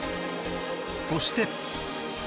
そして。